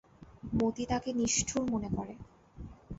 মতি তাকে নিষ্ঠুর মনে করে।